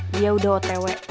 dia udah otw